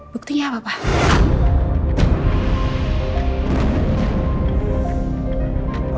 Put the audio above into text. buktinya apa apa